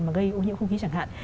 mà gây ô nhiễu không khí chẳng hạn